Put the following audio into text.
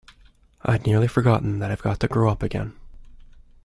I’d nearly forgotten that I’ve got to grow up again!